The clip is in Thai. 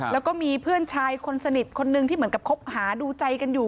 แล้วก็มีเพื่อนชายคนสนิทคนนึงที่เหมือนกับคบหาดูใจกันอยู่